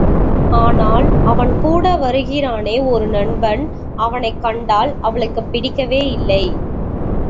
ஆனால், அவன் கூட வருகிறானே, ஒரு நண்பன் அவனைக் கண்டால் அவளுக்குப் பிடிக்கவேயில்லை.